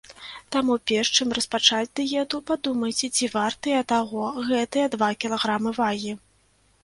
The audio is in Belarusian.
Таму, перш, чым распачаць дыету, падумайце, ці вартыя таго гэтыя два кілаграмы вагі.